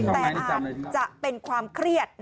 แต่อาจจะเป็นความเครียด